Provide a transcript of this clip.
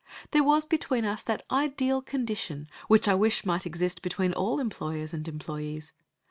There was between us that ideal condition which I wish might exist between all employers and employees.